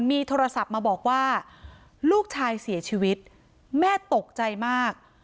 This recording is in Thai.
มีโทรศัพท์มาบอกว่าลูกชายเสียชีวิตแม่ตกใจมาก